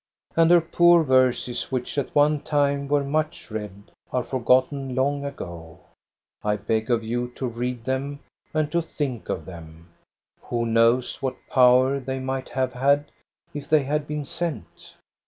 And her poor verses, which at one time were much read, are forgotten long ago. I beg of you to read them and to think of them. Who knows what power they might have had, if they had been sent?